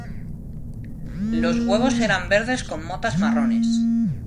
Los huevos eran verdes con motas marrones.